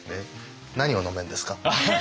何を飲めるんですか？